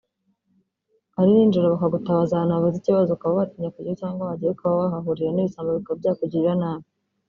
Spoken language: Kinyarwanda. ari ninjiro bakagutabaza ahantu havutse ikibazo ukaba watinya kujyayo cyangwa wajyayo ukaba wahahurira n’ibisambo bikaba byakugirira nabi